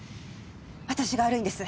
私が悪いんです。